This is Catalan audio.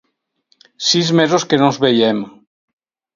Sis mesos que no ens veiem!